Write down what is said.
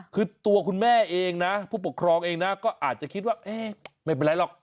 คือตัวคุณแม่เองนะผู้ปกครองเองนะก็อาจจะคิดว่าเอ๊ะไม่เป็นไรหรอก